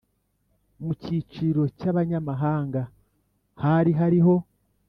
mu cyiciro by’abanyamahanga hari hariho